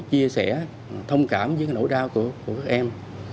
chia sẻ thông cảm với nỗi đau của các em